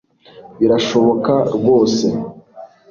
Birashoboka rwose